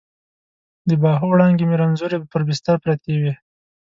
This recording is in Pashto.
د باهو وړانګې مې رنځورې پر بستر پرتې وي